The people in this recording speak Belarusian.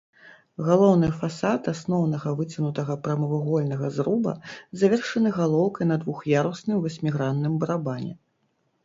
Галоўны фасад асноўнага выцягнутага прамавугольнага зруба завершаны галоўкай на двух'ярусным васьмігранным барабане.